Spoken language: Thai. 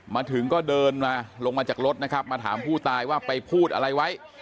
มาถึงก็เดินมาลงมาจากรถนะครับมาถามผู้ตายว่าไปพูดอะไรไว้